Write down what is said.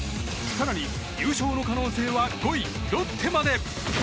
優勝の可能性は５位ロッテまで。